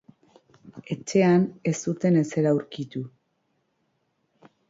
Etxean ez zuten ezer aurkitu.